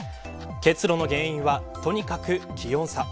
結露の原因はとにかく気温差。